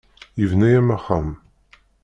Yebna-am axxam.